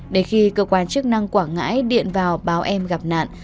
để khi cơ quan chức năng quảng ngãi điện vào báo em gặp nạn